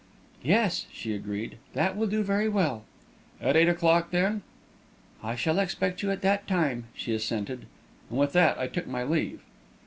"Yes," she agreed; "that will do very well." "At eight o'clock, then?" "I shall expect you at that time," she assented; and with that I took my leave.